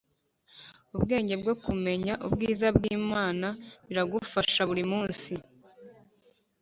Ubwenge bwo kumenya ubwiza bw imana biragufasha buri munsi